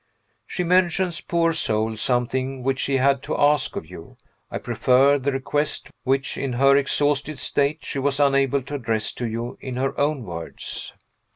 She mentions, poor soul, something which she had to ask of you. I prefer the request which, in her exhausted state, she was unable to address to you in her own words.